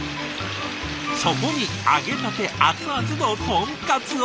そこに揚げたて熱々の豚カツを。